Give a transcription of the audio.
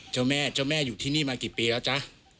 เจ้าแม่เจ้าแม่อยู่ที่นี่มากี่ปีแล้วจ๊ะ